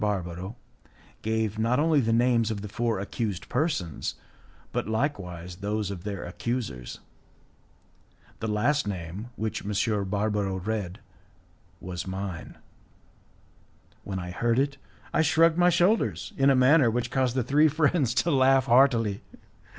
Barbaro, gave not only the names of the four accused persons, but likewise those of their accusers. The last name, which M. Barbaro read, was mine. When I heard it, I shrugged my shoulders in a manner which caused the three friends to laugh heartily.